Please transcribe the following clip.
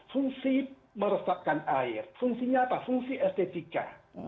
fungsi meresapkan air fungsinya apa fungsi estetika